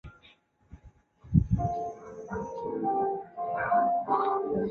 然而此举反而导致被逼往反国民党方向的蔡介雄与苏南成联合造势。